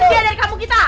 usir dia dari kampung kita